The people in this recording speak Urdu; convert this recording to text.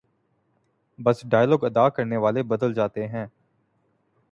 بس ڈائیلاگ ادا کرنے والے بدل جاتے ہیں۔